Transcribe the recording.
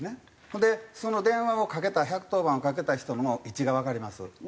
ほんでその電話をかけた１１０番をかけた人の位置がわかります。